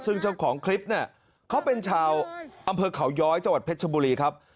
ซึ่งเจ้าของคลิปเนี่ยเขาเป็นชาวอำเภอเขาย้อยจังหวัดเพชรชบุรีครับ